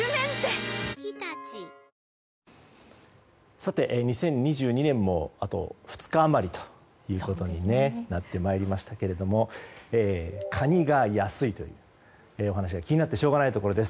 さて、２０２２年もあと２日余りということになってまいりましたけれどもカニが安いというお話が気になってしょうがないところです。